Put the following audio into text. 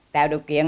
tạo điều kiện